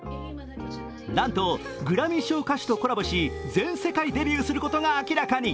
なんとグラミー賞歌手とコラボし全世界デビューすることが明らかに。